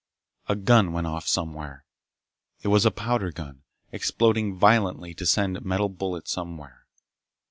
A gun went off somewhere. It was a powder gun, exploding violently to send a metal bullet somewhere.